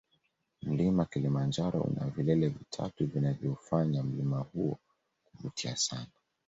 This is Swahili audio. mlima kilimanjaro una vilele vitatu vinavyoufanya mlima huo kuvutia sana